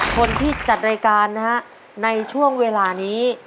คนที่จัดรายการนะฮะในช่วงเวลานี้